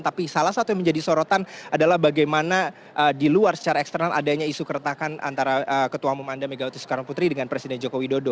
tapi salah satu yang menjadi sorotan adalah bagaimana di luar secara eksternal adanya isu keretakan antara ketua umum anda megawati soekarno putri dengan presiden joko widodo